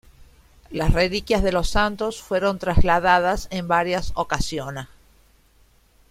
Las reliquias de los santos fueron trasladadas en varias ocasiona.